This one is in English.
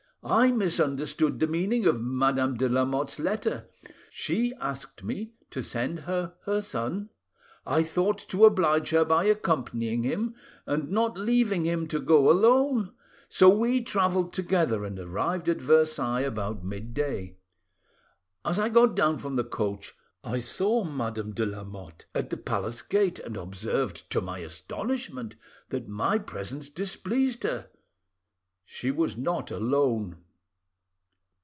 I misunderstood the meaning of Madame de Lamotte's letter. She asked me to send her her son, I thought to oblige her by accompanying him, and not leaving him to go alone. So we travelled together, and arrived at Versailles about midday. As I got down from the coach I saw Madame de Lamotte at the palace gate, and observed, to my astonishment, that my presence displeased her. She was not alone."